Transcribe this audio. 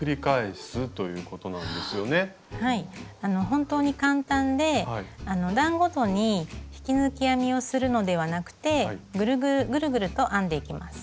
ほんとに簡単で段ごとに引き抜き編みをするのではなくてぐるぐると編んでいきます。